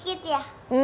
tapi sedikit ya